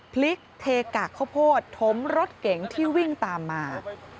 พลิกเทกะข้าวโพดถมรถเก๋งที่วิ่งตามมา